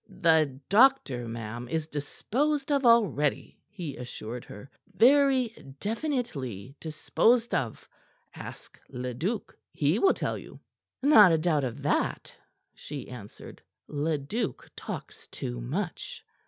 "The doctor, ma'am, is disposed of already," he assured her. "Very definitely disposed of. Ask Leduc. He will tell you." "Not a doubt of that," she answered. "Leduc talks too much."